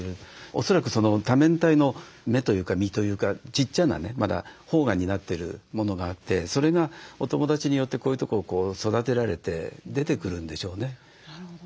恐らく多面体の芽というか実というかちっちゃなねまだ萌芽になってるものがあってそれがお友だちによってこういうとこを育てられて出てくるんでしょうね。